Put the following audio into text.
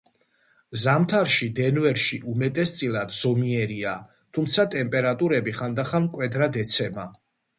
ზამთარი დენვერში უმეტესწილად ზომიერია, თუმცა ტემპერატურები ხანდახან მკვეთრად ეცემა.